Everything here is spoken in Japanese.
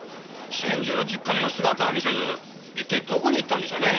実家にも姿を見せずどこに行ったんでしょうね？